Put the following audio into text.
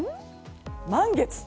満月。